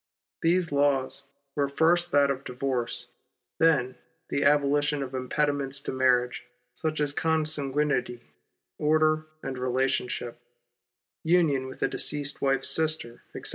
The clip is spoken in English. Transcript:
These laws were, first, that of divorce, then, the abolition of impediments to marriage, such as consanguinity, order, and relationship, union with a deceased wife's sister, etc.